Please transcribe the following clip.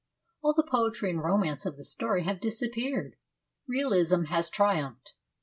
All the poetry and romance of the story have dis appeared : realism has triumphed.